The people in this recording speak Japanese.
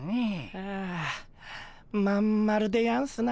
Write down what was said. ああ真ん丸でやんすな。